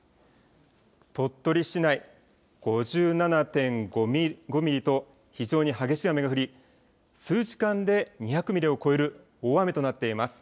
鳥取市内、５７．５ミリと、非常に激しい雨が降り、数時間で２００ミリを超える大雨となっています。